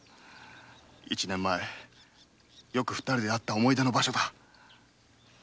一年前よく二人で会った思い出の場所だ。